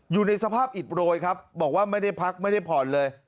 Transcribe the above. อยู่ในสภาพอิดโรยครับบอกว่าไม่ได้พักไม่ได้ผ่อนเลย